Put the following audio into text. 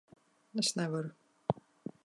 Es nevaru.